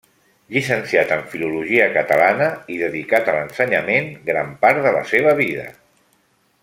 Llicenciat en filologia catalana i dedicat a l'ensenyament gran part de la seva vida.